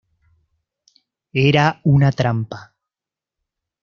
Era una trampa.